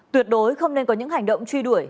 tuyệt đối không nên có những hành động truy đuổi